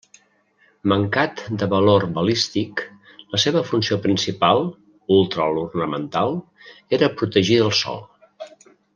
Mancat de valor balístic, la seva funció principal --ultra l'ornamental-- era protegir del sol.